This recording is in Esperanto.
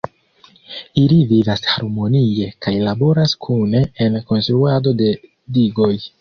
Ili vivas harmonie kaj laboras kune en konstruado de digoj.